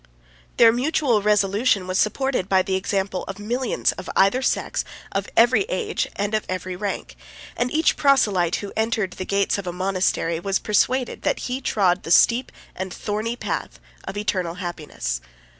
Their mutual resolution was supported by the example of millions, of either sex, of every age, and of every rank; and each proselyte who entered the gates of a monastery, was persuaded that he trod the steep and thorny path of eternal happiness.